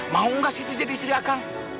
mau gak siti jadi istri aku